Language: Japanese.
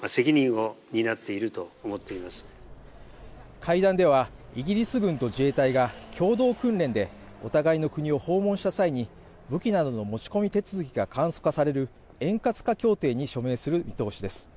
会談では、イギリス軍と自衛隊が共同訓練でお互いの国を訪問した際に武器などの持ち込み手続きが簡素化される円滑化協定に署名する見通しです。